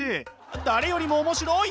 誰よりも面白い！